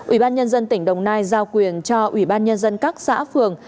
ủy ban nhân dân tỉnh đồng nai giao quyền cho ủy ban nhân dân các xã phường